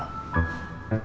guntur banting banting barang